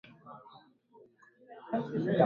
Vijana wengi hupenda kucheza soka